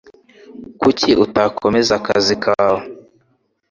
Kuki utakomeza akazi kawe?